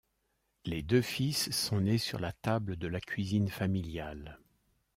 Les deux fils sont nés sur la table de la cuisine familiale.